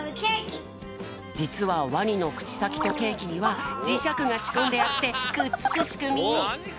じつはワニのくちさきとケーキにはじしゃくがしこんであってくっつくしくみ！